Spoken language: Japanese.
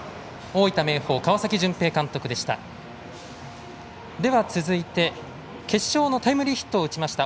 大分・明豊、川崎絢平監督でした。